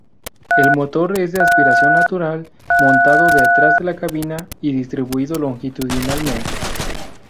El motor es de aspiración natural, montado detrás de la cabina, y distribuido longitudinalmente.